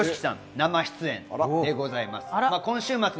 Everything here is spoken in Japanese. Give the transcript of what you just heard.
生出演でございます。